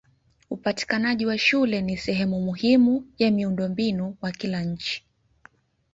Upatikanaji wa shule ni sehemu muhimu ya miundombinu wa kila nchi.